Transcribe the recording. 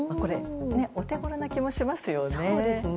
お手頃な気もしますよね。